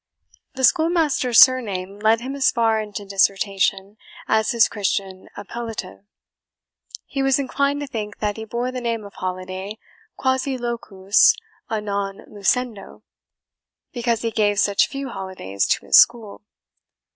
The schoolmaster's surname led him as far into dissertation as his Christian appellative. He was inclined to think that he bore the name of Holiday QUASI LUCUS A NON LUCENDO, because he gave such few holidays to his school.